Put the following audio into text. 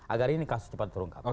agar ini kasus cepat terungkap